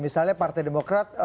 misalnya partai demokrat